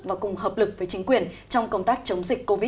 và cùng hợp lực với chính quyền trong công tác chống dịch covid một mươi chín